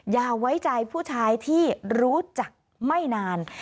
อย่าไว้ใจผู้ชายที่รู้จักไม่นาน